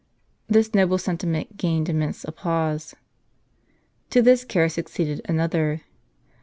This noble sentiment gained immense applause. To this care succeeded another.